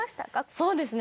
そうですね。